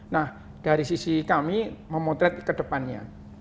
nah dari sisi kami memotret ke depannya